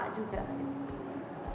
umi itu kan gak punya